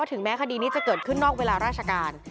ถึงแม้คดีนี้จะเกิดขึ้นนอกเวลาราชการ